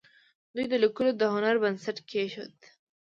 دوی د لیکلو د هنر بنسټ کېښود.